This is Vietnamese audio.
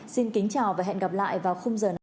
xin kính chào và hẹn gặp lại vào khung giờ này ngày mai